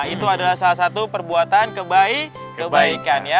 itu adalah salah satu perbuatan kebaikan ya